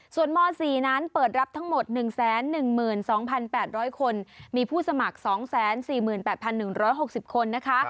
ส่วนม๔นั้นเปิดรับทั้งหมด๑๑๒๘๐๐คนมีผู้สมัคร๒๔๘๑๖๐คนนะคะ